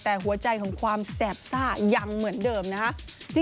แต่หัวใจของความแสบซ่ายังเหมือนเดิมนะฮะ